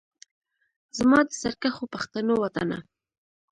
زما د سرکښو پښتنو وطنه